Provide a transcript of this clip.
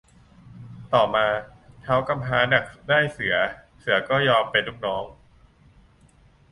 ต่อมาท้าวกำพร้าดักได้เสือ เสือก็ยอมเป็นลูกน้อง